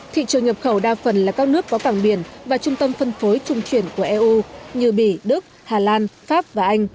thị trường nhập khẩu đa phần là các nước có cảng biển và trung tâm phân phối trung chuyển của eu như bỉ đức hà lan pháp và anh